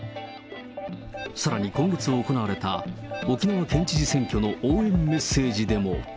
さらに今月行われた沖縄県知事選挙の応援メッセージでも。